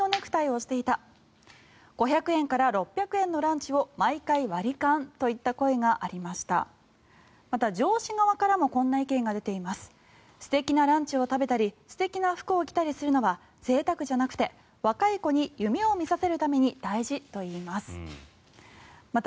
素敵なランチを食べたり素敵な服を着たりするのはぜいたくじゃなくて若い子に夢を見させるために大事と言います。